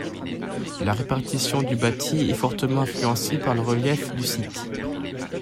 La répartition du bâti est fortement influencée par le relief du site.